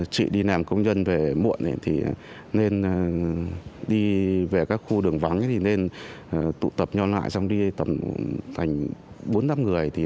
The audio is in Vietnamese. chị đi làm công nhân về muộn thì nên đi về các khu đường vắng thì nên tụ tập nhau lại xong đi tầm thành bốn năm người